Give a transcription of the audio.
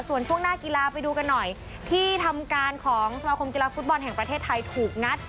ส่วนช่วงหน้ากีฬาไปดูกันหน่อยที่ทำการของสมาคมกีฬาฟุตบอลแห่งประเทศไทยถูกงัด